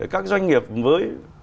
các doanh nghiệp với